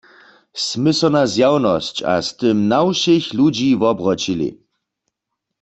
Smy so na zjawnosć a z tym na wšěch ludźi wobroćili.